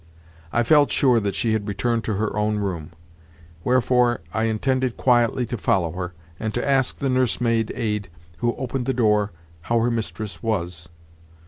I felt sure that she had returned to her own room; wherefore, I intended quietly to follow her, and to ask the nursemaid aid who opened the door how her mistress was.